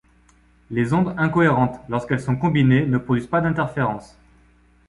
Les ondes incohérentes, lorsqu'elles sont combinées, ne produisent pas d'interférence.